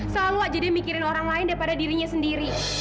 selalu aja dia mikirin orang lain daripada dirinya sendiri